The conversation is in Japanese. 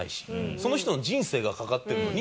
その人の人生がかかってるのに。